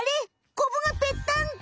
コブがぺったんこ。